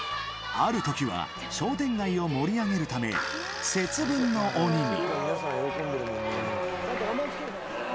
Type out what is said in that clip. あるときは、商店街を盛り上げるため節分の鬼に。